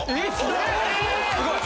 すごい！